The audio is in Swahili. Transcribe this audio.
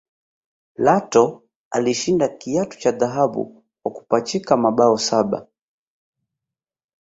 Lato alishinda kiatu cha dhahabu kwa kupachika mabao saba